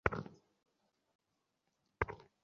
একজন ছিলেন স্বরাষ্ট্র সচিব, আরেকজন ছিলেন জেলে!